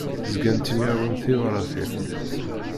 Zgant ttemyarunt tibratin.